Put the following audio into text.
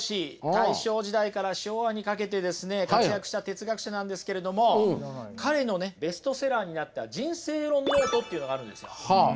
大正時代から昭和にかけてですね活躍した哲学者なんですけれども彼のねベストセラーになった「人生論ノート」っていうのがあるんですよ。